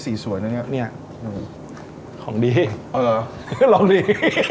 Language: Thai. สีสวยนะเนี่ยของดีลองดี